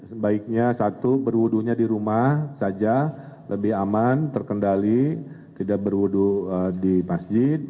sebaiknya satu berwudunya di rumah saja lebih aman terkendali tidak berwudu di masjid